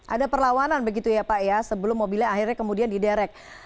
ada perlawanan begitu ya pak ya sebelum mobilnya akhirnya kemudian diderek